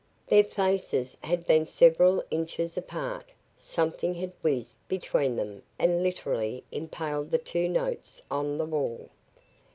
Their faces had been several inches apart. Something had whizzed between them and literally impaled the two notes on the wall.